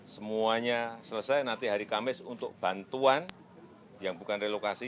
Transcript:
semuanya selesai nanti hari kamis untuk bantuan yang bukan relokasi